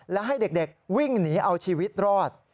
และให้เด็กวิ่งหนีเอาชีวิตรอด